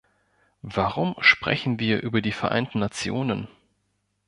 Warum sprechen wir über die Vereinten Nationen?